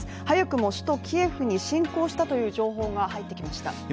早くも首都キエフに侵攻したという情報が入ってきました。